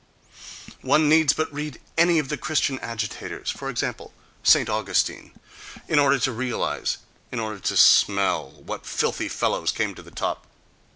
—One needs but read any of the Christian agitators, for example, St. Augustine, in order to realize, in order to smell, what filthy fellows came to the top.